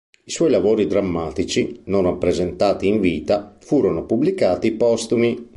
I suoi lavori drammatici, non rappresentati in vita, furono pubblicati postumi.